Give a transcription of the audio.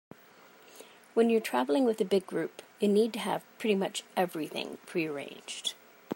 When you are traveling with a big group, you need to have pretty much everything prearranged.